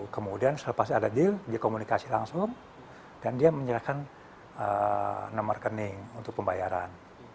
kemudian setelah pas ada deal dia komunikasi langsung dan dia menyerahkan nomor rekening untuk pembayaran